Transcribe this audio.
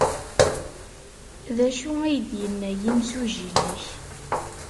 D acu ay d-yenna yimsujji-nnek?